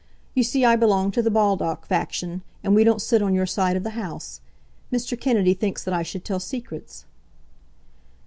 You see I belong to the Baldock faction, and we don't sit on your side of the House. Mr. Kennedy thinks that I should tell secrets."